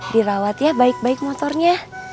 dirawat ya baik baik motornya